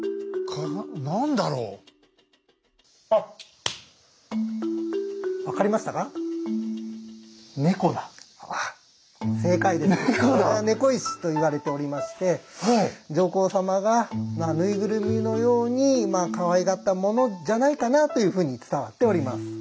これは「猫石」と言われておりまして上皇様が縫いぐるみのようにかわいがったものじゃないかなというふうに伝わっております。